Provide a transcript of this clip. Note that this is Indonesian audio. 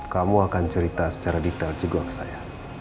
kamu akan cerita secara detail juga ke saya